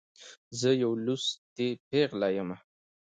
زه یوه لوستې پیغله يمه.